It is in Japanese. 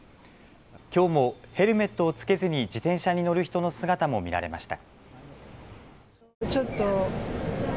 きょうもヘルメットをつけずに自転車に乗る人の姿も見られました。